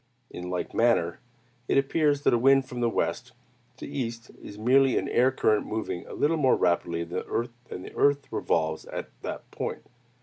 In like manner, it appears that a wind from west to east is merely an air current moving a little more rapidly than the earth revolves at that point.